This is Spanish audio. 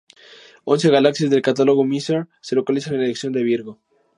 Once galaxias del catálogo Messier se localizan en la dirección de Virgo.